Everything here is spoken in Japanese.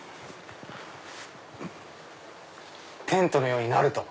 テントのようになる！と。